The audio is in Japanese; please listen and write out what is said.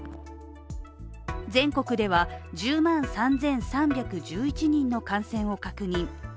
全国では１０万３３１１人の感染を確認。